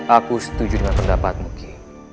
aku setuju dengan pendapatmu ki